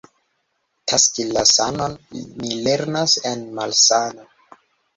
Taksi la sanon ni lernas en malsano.